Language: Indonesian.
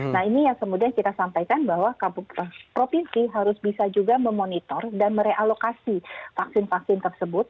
nah ini yang kemudian kita sampaikan bahwa provinsi harus bisa juga memonitor dan merealokasi vaksin vaksin tersebut